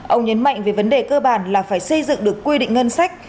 ông nhấn mạnh về vấn đề cơ bản là phải xây dựng được quy định ngân sách